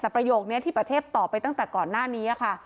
แต่ประโยคนี้ที่ประเทศตอบไปตั้งแต่ก่อนหน้านี้ค่ะ